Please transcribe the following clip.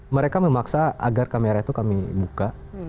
mereka memaksa agar kamera itu kami buka